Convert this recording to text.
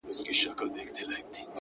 داده پښـــــتانه اشـــــــنــــٰــا _